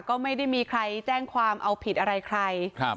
ก็ไม่ได้มีใครแจ้งความเอาผิดอะไรใครครับ